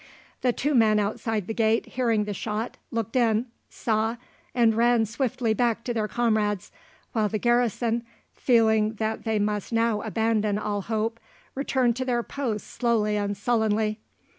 The two men outside the gate, hearing the shot, looked in, saw, and ran swiftly back to their comrades, while the garrison, feeling that they must now abandon all hope, returned to their posts slowly and sullenly.